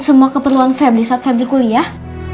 semua keperluan febri saat febri kuliah